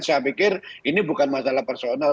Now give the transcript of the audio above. saya pikir ini bukan masalah personal